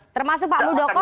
termasuk pak mudoko bang joni